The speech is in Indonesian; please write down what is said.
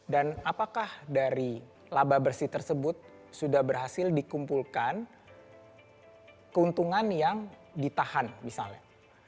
dan apakah dari laba bersih tersebut sudah berhasil dikumpulkan keuntungan yang ditahan misalnya